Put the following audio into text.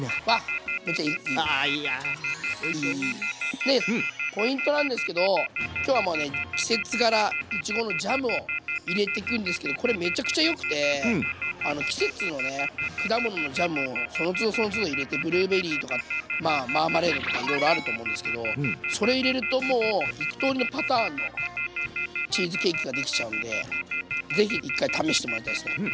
でポイントなんですけど今日はもうね季節柄いちごのジャムを入れてくんですけどこれめちゃくちゃよくて季節のね果物のジャムをそのつどそのつど入れてブルーベリーとかマーマレードとかいろいろあると思うんですけどそれ入れるともう幾とおりのパターンのチーズケーキが出来ちゃうんで是非一回試してもらいたいですね。